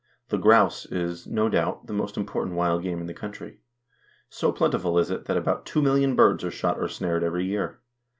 The grouse is, no doubt, the most important wild game in the country. So plentiful is it that about two million birds are shot or snared every year.